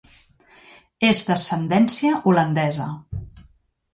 És d'ascendència holandesa.